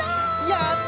やった！